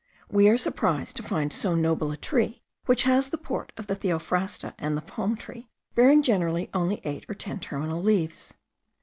We are surprised to find so noble a tree, which has the port of the theophrasta and the palm tree, bearing generally only eight or ten terminal leaves.